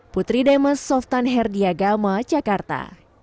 putri demes softan herdiagama jakarta